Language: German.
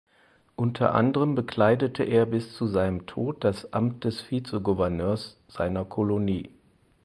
Unter anderem bekleidete er bis zu seinem Tod das Amt des Vizegouverneurs seiner Kolonie.